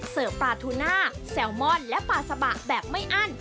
ปลาทูน่าแซลมอนและปลาซาบะแบบไม่อั้น